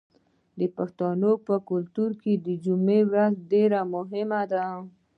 د پښتنو په کلتور کې د جمعې لمونځ ډیر مهم دی.